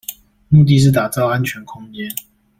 目的是打造安全空間